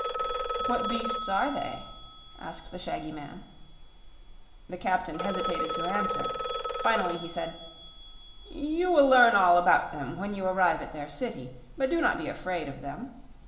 "What beasts are they?" asked the shaggy man. The captain hesitated to answer. Finally, he said: "You will learn all about them when you arrive at their city. But do not be afraid of them.